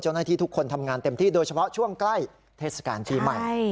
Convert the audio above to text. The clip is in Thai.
ทุกคนทำงานเต็มที่โดยเฉพาะช่วงใกล้เทศกาลปีใหม่